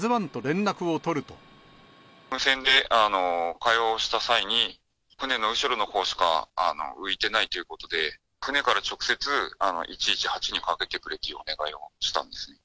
無線で、会話をした際に、船の後ろのほうしか浮いてないということで、船から直接１１８にかけてくれっていうお願いをしたんですね。